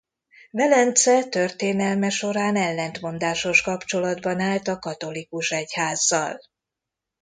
Velence történelme során ellentmondásos kapcsolatban állt a katolikus egyházzal.